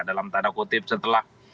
dalam tanda kutip setelah